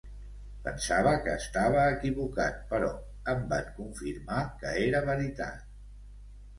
Pensava que estava equivocat però em van confirmar que era veritat